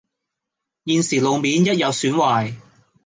現時路面一有損壞